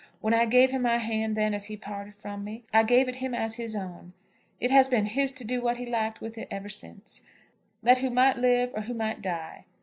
When I gave him my hand then as he parted from me, I gave it him as his own. It has been his to do what he liked with it ever since, let who might live or who might die.